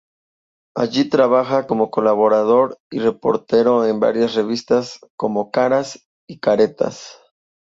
Allí trabaja como colaborador y reportero en varias revistas, como "Caras y Caretas".